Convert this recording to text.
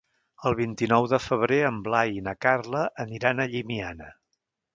El vint-i-nou de febrer en Blai i na Carla aniran a Llimiana.